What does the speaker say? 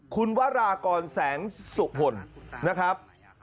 คุณวรากรแสงสุพลนะครับ